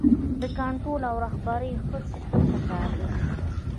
د کنټرول او رهبرۍ ښه سیستم پکار دی.